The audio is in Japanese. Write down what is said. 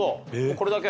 これだけ？